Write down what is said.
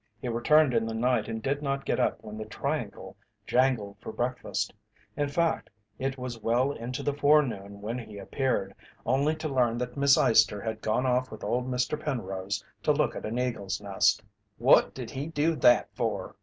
He returned in the night and did not get up when the triangle jangled for breakfast. In fact, it was well into the forenoon when he appeared, only to learn that Miss Eyester had gone off with old Mr. Penrose to look at an eagle's nest. "What did he do that for?"